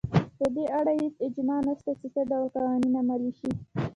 په دې اړه هېڅ اجماع نشته چې څه ډول قوانین عملي شي.